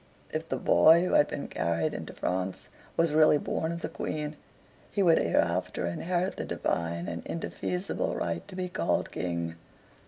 If the boy who had been carried into France was really born of the Queen, he would hereafter inherit the divine and indefeasible right to be called King.